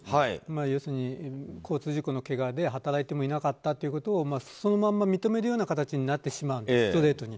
要するに交通事故のけがで働いてもいなかったということをそのまま認めるような形になってしまうんですストレートに。